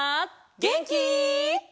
げんき？